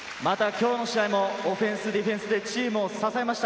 今日の試合もオフェンス、ディフェンスでチームを支えました。